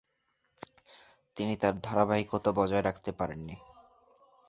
তিনি ধারাবাহিতা বজায় রাখতে পারেননি।